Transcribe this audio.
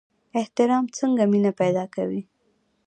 احترام څنګه مینه پیدا کوي؟